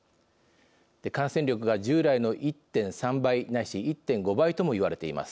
感染力が従来の１．３倍ないし１．５倍とも言われています。